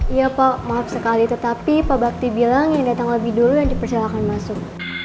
iya pak maaf sekali tetapi pak bakti bilang yang datang lebih dulu yang dipersilakan masuk